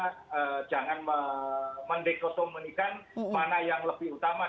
kita jangan mendekosomenikan mana yang lebih utama